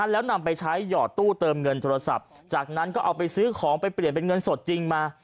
แล้วนำไปใช้หยอดตู้เติมเงินโทรศัพท์จากนั้นก็เอาไปซื้อของไปเปลี่ยนเป็นเงินสดจริงมา